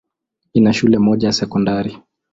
Ina shule moja ya sekondari.